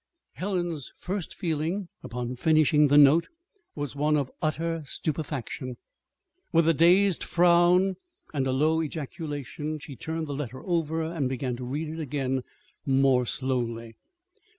Helen's first feeling, upon finishing the note, was one of utter stupefaction. With a dazed frown and a low ejaculation she turned the letter over and began to read it again more slowly.